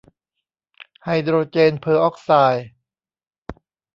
ไฮโดรเจนเพอร์ออกไซด์